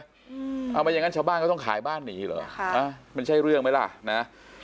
เอามาอย่างงั้นชาวบ้านก็ต้องขายบ้านหนีเหรอค่ะอ่ามันใช่เรื่องไหมล่ะนะ